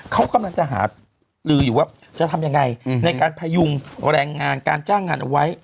เขากำลังจะหาลืออยู่ว่าจะทำยังไงในการพยุงแรงงานการจ้างงานเอาไว้